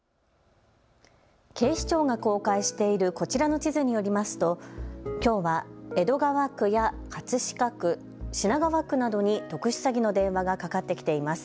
警視庁が公開しているこちらの地図によりますときょうは江戸川区や葛飾区、品川区などに特殊詐欺の電話がかかってきています。